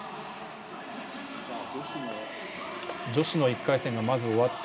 女子の１回戦がまず終わって